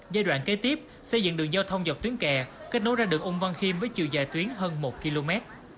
giai đoạn kế tiếp xây dựng đường giao thông dọc tuyến kè kết nối ra đường ung văn khiêm với chiều dài tuyến hơn một km